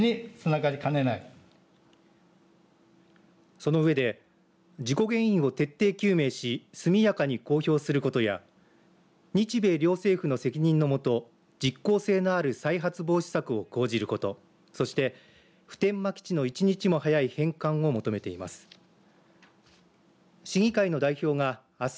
その上で事故原因を徹底究明し速やかに公表することや日米両政府の責任のもと実効性のある再発防止策を講じることそして普天間基地の１日も早い返還を求めています。